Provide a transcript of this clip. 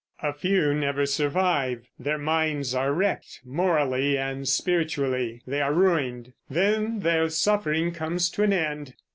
A few never survive; their minds are wrecked, morally and spiritually they are ruined; then their suffering comes to an end.